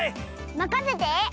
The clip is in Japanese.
まかせて！